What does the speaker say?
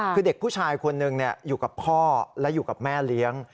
คือเด็กผู้ชายคนหนึ่งอยู่กับพ่อและอยู่กับแม่เลี้ยง